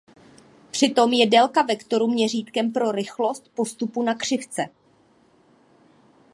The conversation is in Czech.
Přitom je délka vektoru měřítkem pro rychlost „postupu“ na křivce.